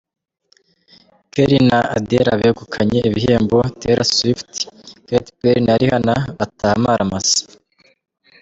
Keli na Adele bagukanye ibihembo Teyira Suzifuti, Keti Peri na Rihana bataha amaramasa